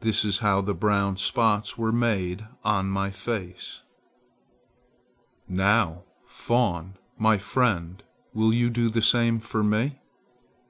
This is how the brown spots were made on my face." "Now, fawn, my friend, will you do the same for me?